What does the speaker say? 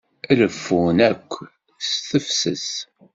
Reffun akk s tefses.